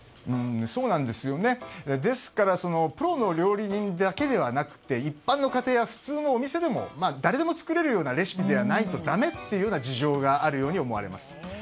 ですからプロの料理人だけではなくて一般の家庭や普通のお店でも誰でも作れるようなレシピでないとだめという事情があるように思われます。